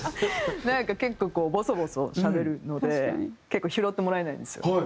なんか結構こうボソボソしゃべるので結構拾ってもらえないんですよ。